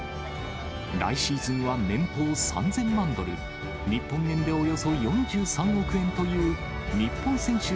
来シーズンは年俸３０００万ドル、日本円でおよそ４３億円という、日本選手